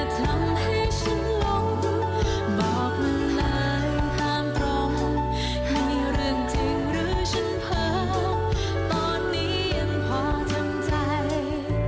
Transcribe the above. มีเรื่องจริงหรือฉันเพราะตอนนี้ยังพอจำใจ